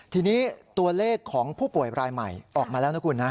ทีนี้ตัวเลขของผู้ป่วยรายใหม่ออกมาแล้วนะคุณนะ